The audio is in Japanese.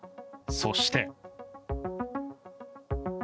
そして。